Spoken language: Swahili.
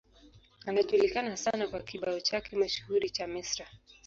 Anajulikana sana kwa kibao chake mashuhuri cha Mr.